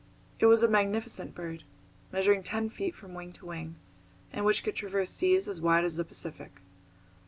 It was a magnificent bird, measuring ten feet from wing to wing, and which could traverse seas as wide as the Pacific.